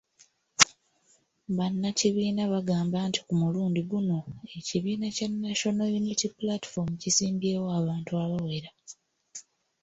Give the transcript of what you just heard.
Bannakibiina bagamba nti ku mulundi guno, ekibiina kya National Unity Platform kisimbyewo abantu abawera .